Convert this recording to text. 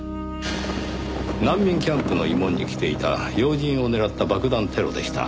難民キャンプの慰問に来ていた要人を狙った爆弾テロでした。